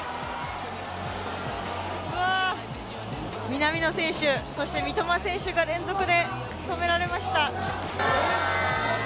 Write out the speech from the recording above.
南野選手、そして三笘選手が連続で止められました。